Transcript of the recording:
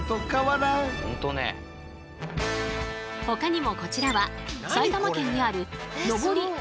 ほかにもこちらは埼玉県にある上り